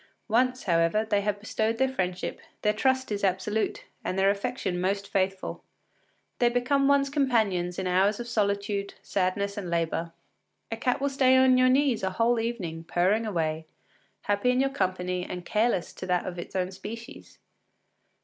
Once, however, they have bestowed their friendship, their trust is absolute, and their affection most faithful. They become one’s companions in hours of solitude, sadness, and labour. A cat will stay on your knees a whole evening, purring away, happy in your company and careless of that of its own species.